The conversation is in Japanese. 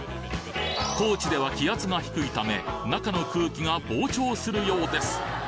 高地では気圧が低いため中の空気が膨張するようです